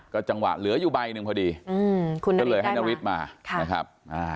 จังหวะเหลืออยู่ใบหนึ่งพอดีก็เลยให้นฤทธิ์มานะครับ